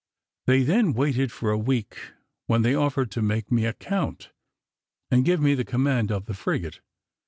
They then waited for a week, when they offered to make me a Count and give me the command of the frigate.